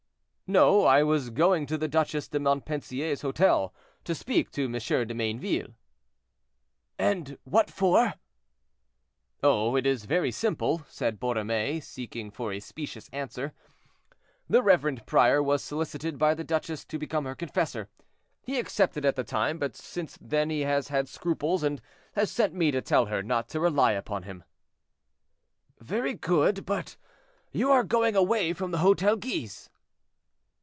"No; I was going to the Duchesse de Montpensier's hotel, to speak to M. de Mayneville." "And what for?" "Oh! it is very simple," said Borromée, seeking for a specious answer; "the reverend prior was solicited by the duchesse to become her confessor; he accepted at the time, but since then he has had scruples, and has sent me to tell her not to rely upon him." "Very good; but you are going away from the Hotel Guise."